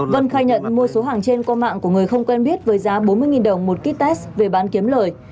vân khai nhận mua số hàng trên qua mạng của người không quen biết với giá bốn mươi đồng một ký test về bán kiếm lời